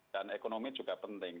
dan ekonomi juga penting